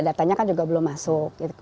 datanya kan juga belum masuk